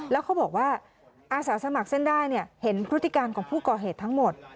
แล้วเขาบอกว่าอาสาสมัครเส้นได้เห็นพฤติการของผู้ก่อเหตุทั้งหมด